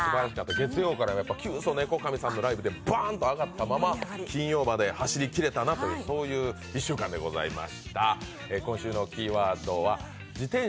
月曜からキュウソネコカミさんのライブでバーンと上がったまま金曜まで走り切れたなというそういう１週間でございました。